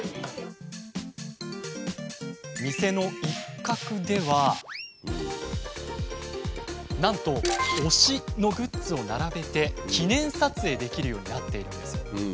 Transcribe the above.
こちらはなんと推しのグッズを並べて記念撮影できるようになっているんです。